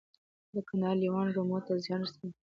د کندهار لیوان رمو ته زیان رسوي؟